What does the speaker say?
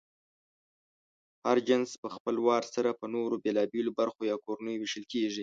هر جنس پهخپل وار سره په نورو بېلابېلو برخو یا کورنیو وېشل کېږي.